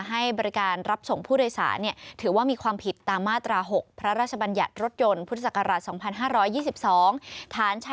หนึ่งหมื่นบาทค่ะ